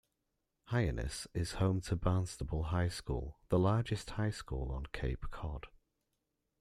Hyannis is home to Barnstable High School, the largest high school on Cape Cod.